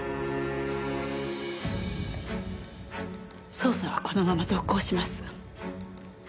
捜査はこのまま続行します。